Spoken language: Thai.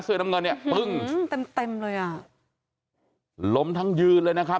น้ำเงินเนี่ยปึ้งเต็มเต็มเลยอ่ะล้มทั้งยืนเลยนะครับ